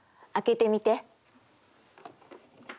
開けてみて。